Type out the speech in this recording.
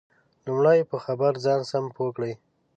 لمړی په خبر ځان سم پوه کړئ